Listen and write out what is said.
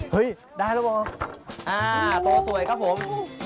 เฮ้ยได้แล้วหรอตัวสวยครับผม